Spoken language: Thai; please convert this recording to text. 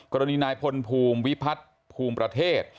กรณีนายพลภูมิวิพัฒน์ภูมิประเทศ